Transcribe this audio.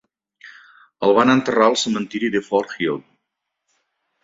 El van enterrar al cementiri de Fort Hill.